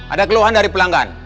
ada keluhan dari pelanggan